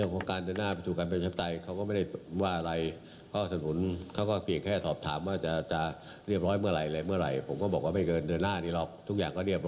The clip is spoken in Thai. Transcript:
ภาคฝ่ายค้านกว่า๓๐คนนี้นะที่ถือครองหุ้นสือ